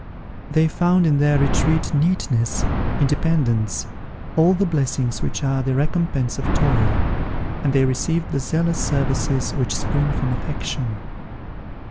They found in their retreat neatness, independence, all the blessings which are the recompense of toil, and they received the zealous services which spring from affection.